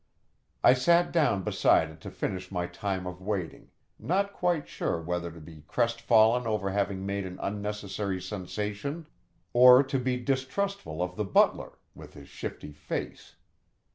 I sat down beside it to finish my time of waiting, not quite sure whether to be crestfallen over having made an unnecessary sensation, or to be distrustful of the butler, with his shifty face.